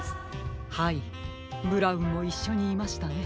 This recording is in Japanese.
はいブラウンもいっしょにいましたね。